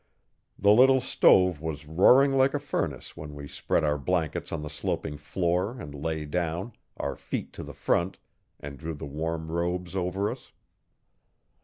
The little stove was roaring like a furnace when we spread our blankets on the sloping floor and lay down, our feet to the front, and drew the warm robes over us.